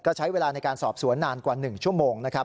ก็ใช้เวลาในการสอบสวนนานกว่า๑ชั่วโมงนะครับ